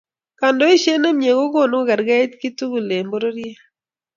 kandoishet ne mie ko konu kokerkeit keitugul eng pororiet